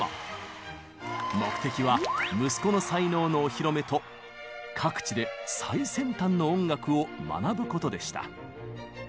目的は息子の才能のお披露目と各地で最先端の音楽を学ぶことでした。